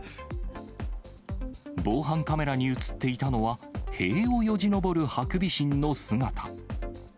防犯カメラに写っていたのは、塀をよじ登るハクビシンの姿。